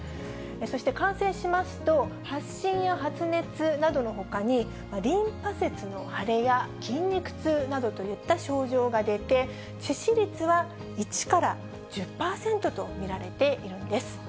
そして、感染しますと、発疹や発熱などのほかに、リンパ節の腫れや筋肉痛などといった症状が出て、致死率は１から１０％と見られているんです。